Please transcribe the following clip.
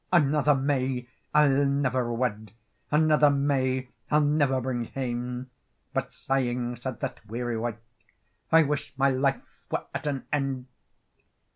"Another may I'll never wed, Another may I'll never bring hame." But, sighing, said that weary wight— "I wish my life were at an end!"